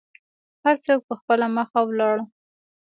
هر څوک په خپله مخه ولاړل.